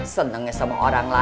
senengnya sama orang lain